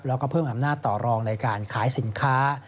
แล้วก็เพิ่มอำนาจต่อรองในการขายสินค้า